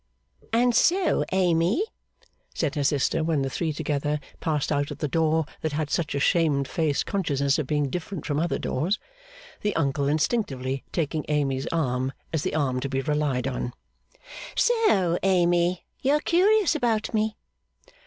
'And so, Amy,' said her sister, when the three together passed out at the door that had such a shame faced consciousness of being different from other doors: the uncle instinctively taking Amy's arm as the arm to be relied on: 'so, Amy, you are curious about me?